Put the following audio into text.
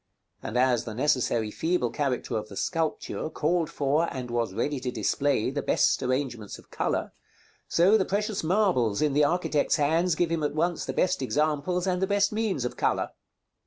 And as the necessarily feeble character of the sculpture called for and was ready to display the best arrangements of color, so the precious marbles in the architect's hands give him at once the best examples and the best means of color.